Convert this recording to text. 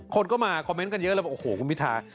คนก็มาคอมเมนต์กันเยอะเลย